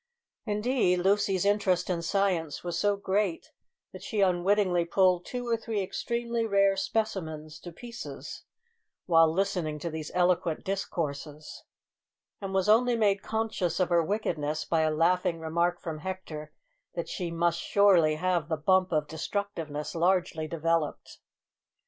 Indeed, Lucy's interest in science was so great that she unwittingly pulled two or three extremely rare specimens to pieces while listening to these eloquent discourses, and was only made conscious of her wickedness by a laughing remark from Hector that she "must surely have the bump of destructiveness largely developed."